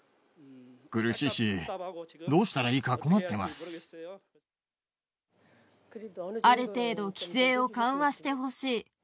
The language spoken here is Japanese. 苦しいし、どうしたらいいか困っある程度規制を緩和してほしい。